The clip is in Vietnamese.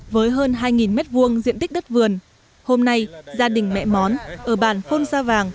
với hơn hai mét vuông diện tích đất vườn hôm nay gia đình mẹ món ở bàn phôn sa vàng